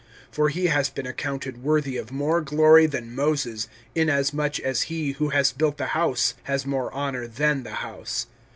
(3)For he has been accounted worthy of more glory than Moses, inasmuch as he who has built the house has more honor than the house.